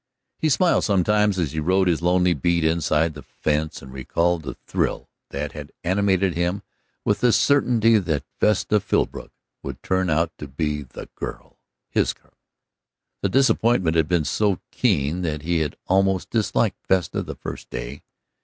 He smiled sometimes as he rode his lonely beat inside the fence and recalled the thrill that had animated him with the certainty that Vesta Philbrook would turn out to be the girl, his girl. The disappointment had been so keen that he had almost disliked Vesta that first day.